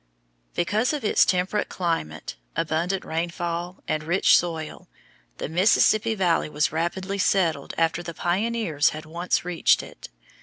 Because of its temperate climate, abundant rainfall, and rich soil, the Mississippi Valley was rapidly settled after the pioneers had once reached it.